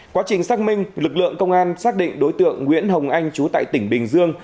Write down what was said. quá trình xác minh lực lượng công an xác định đối tượng nguyễn hồng anh chú tại tỉnh bình dương